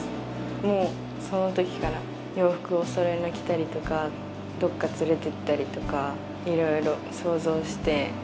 もうそのときから、洋服おそろいの着たりとか、どっか連れてったりとか、いろいろ想像して。